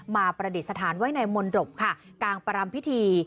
ประดิษฐานไว้ในมนตบค่ะกลางประรำพิธี